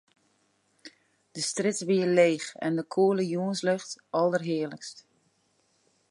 De strjitte wie leech en de koele jûnslucht alderhearlikst.